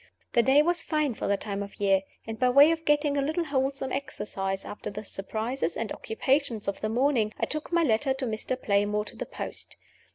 The day was fine for the time of year; and by way of getting a little wholesome exercise after the surprises and occupations of the morning, I took my letter to Mr. Playmore to the post.